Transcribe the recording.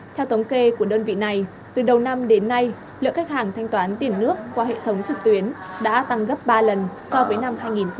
theo thống kê của đơn vị này từ đầu năm đến nay lượng khách hàng thanh toán tiền nước qua hệ thống trực tuyến đã tăng gấp ba lần so với năm hai nghìn một mươi tám